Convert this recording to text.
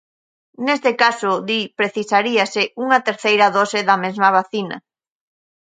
Neste caso, di, precisaríase unha terceira dose da mesma vacina.